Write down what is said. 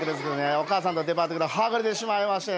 お母さんとデパート来たらはぐれてしまいましてね